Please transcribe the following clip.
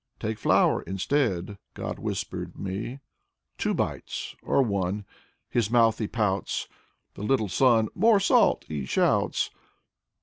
"Take flour, instead," God whispered me. Two bites, or one ^ His mouth he pouts. The little son. "More salt!" he shouts.